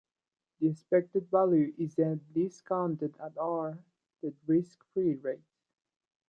The expected value is then discounted at r, the risk-free rate.